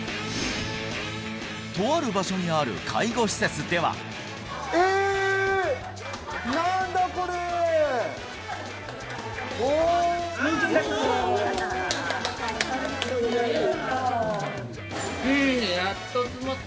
とある場所にある介護施設では・おめでとうございます・ありがとうございます